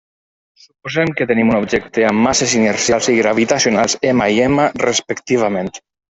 Suposem que tenim un objecte amb masses inercials i gravitacionals m i m, respectivament.